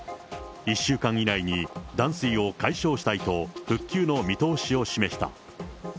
１週間以内に断水を解消したいと、復旧の見通しを示した。